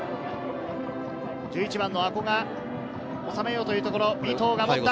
１１番の阿児が収めようというところ、尾藤が持った。